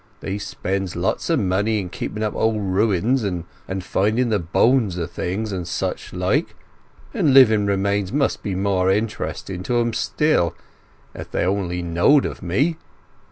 They spend lots o' money in keeping up old ruins, and finding the bones o' things, and such like; and living remains must be more interesting to 'em still, if they only knowed of me.